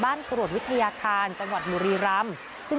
บาลกะโหลดวิทยาคารในจังหวัดบุรีรัมน์